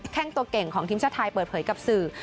แค่งตัวเก่งของทีมชาติไทยเปิดเผยกับสื่อ